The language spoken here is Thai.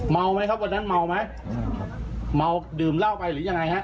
ไหมครับวันนั้นเมาไหมอืมเมาดื่มเหล้าไปหรือยังไงฮะ